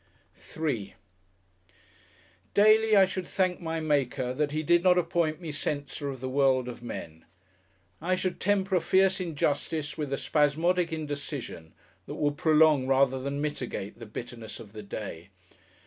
§3 Daily I should thank my Maker that He did not appoint me Censor of the world of men. I should temper a fierce injustice with a spasmodic indecision that would prolong rather than mitigate the bitterness of the Day.